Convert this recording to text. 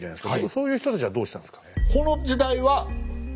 そういう人たちはどうしたんですかね。